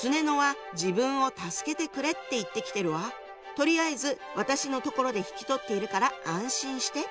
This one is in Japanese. とりあえず私のところで引き取っているから安心して」。